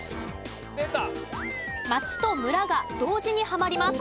町と村が同時にはまります。